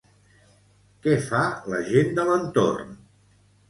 Què fa la gent de l'entorn?